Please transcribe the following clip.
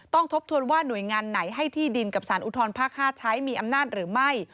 ทบทวนว่าหน่วยงานไหนให้ที่ดินกับสารอุทธรภาค๕ใช้มีอำนาจหรือไม่